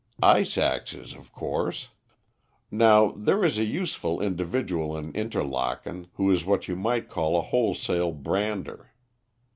"Ice axes, of course. Now, there is a useful individual in Interlaken, who is what you might call a wholesale brander.